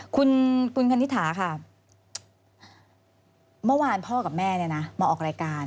คุณคณิฐาค่ะเมื่อวานพ่อกับแม่มาออกรายการ